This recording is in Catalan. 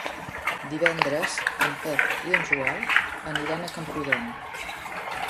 Divendres en Pep i en Joel aniran a Camprodon.